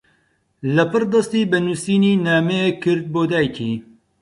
لەپڕ دەستی بە نووسینی نامەیەک کرد بۆ دایکی.